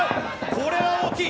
これは大きい。